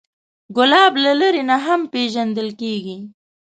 ګلاب له لرې نه هم پیژندل کېږي.